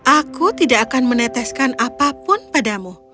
aku tidak akan meneteskan apapun padamu